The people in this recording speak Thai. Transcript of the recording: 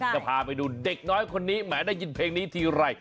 จะพาไปดูเด็กน้อยคนนี้แหมได้ยินเพลงนี้ทีไร